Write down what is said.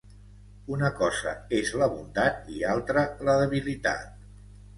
Una cosa és la bondat i altra la debilitat.